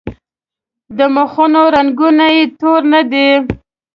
د مخونو رنګونه یې تور نه دي.